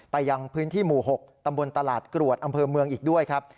ยังพื้นที่หมู่๖ตำบลตลาดกรวดอำเภอเมืองอีกด้วยครับ